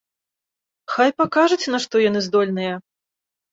Хай пакажуць на што яны здольныя.